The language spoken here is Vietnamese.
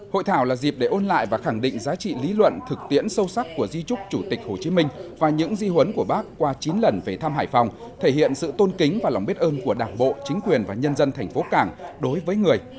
hội thảo là dịp để ôn lại và khẳng định giá trị lý luận thực tiễn sâu sắc của di trúc chủ tịch hồ chí minh và những di huấn của bác qua chín lần về thăm hải phòng thể hiện sự tôn kính và lòng biết ơn của đảng bộ chính quyền và nhân dân thành phố cảng đối với người